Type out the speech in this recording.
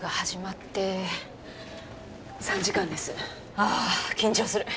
ああ緊張する！